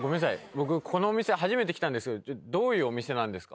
僕このお店初めて来たんですけどどういうお店なんですか？